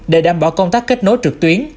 để đảm bảo công tác kết nối trực tuyến